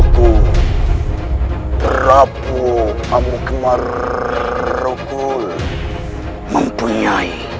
yunda siapa orang itu yunda